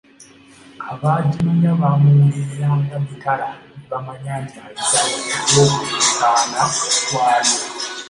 Abaagimanya baamuwuliriranga mitala ne bamanya nti ayitawo olw’okuleekaana kwayo.